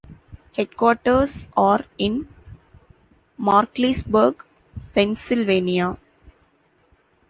Headquarters are in Markleysburg, Pennsylvania.